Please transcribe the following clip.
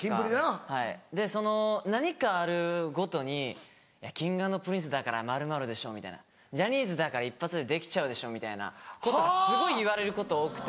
はいその何かあるごとに「Ｋｉｎｇ＆Ｐｒｉｎｃｅだから○○でしょ」みたいな「ジャニーズだから一発でできちゃうでしょ」みたいなことすごい言われること多くて。